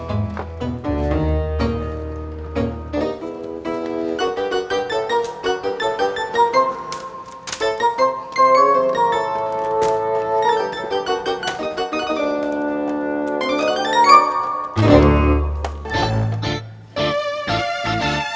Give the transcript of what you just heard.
ini kenapa gambarnya koran